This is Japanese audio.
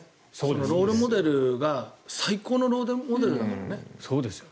ロールモデルが最高のロールモデルだもんね。